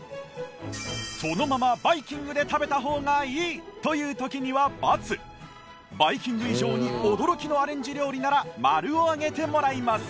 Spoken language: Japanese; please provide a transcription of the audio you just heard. そのままバイキングで食べた方がいいという時には×バイキング以上に驚きのアレンジ料理なら○を上げてもらいます